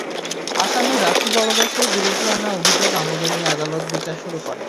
আসামি রাসু জলদাসের বিরুদ্ধে আনা অভিযোগ আমলে নিয়ে আদালত বিচার শুরু করেন।